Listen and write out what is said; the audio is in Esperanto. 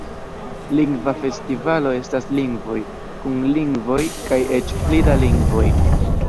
Lingva Festivalo estas lingvoj, kun lingvoj, kaj eĉ pli da lingvoj.